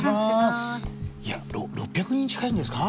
いや６００人近いんですか？